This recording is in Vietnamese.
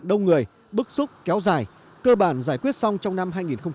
đông người bức xúc kéo dài cơ bản giải quyết xong trong năm hai nghìn một mươi bảy